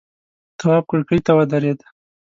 تواب کرکۍ ته ودرېد.